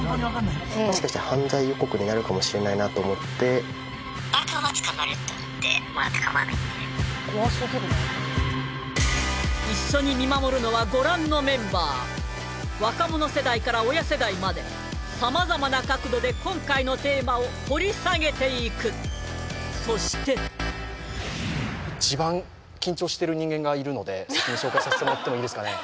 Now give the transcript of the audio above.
もしかして犯罪予告になるかもしれないなと思って☎と思ってもらってかまわないんで一緒に見守るのはご覧のメンバー若者世代から親世代まで様々な角度で今回のテーマを掘り下げていくそしてので先に紹介させてもらってもいいですかね